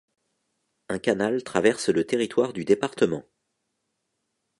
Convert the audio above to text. Un canal traverse le territoire du département.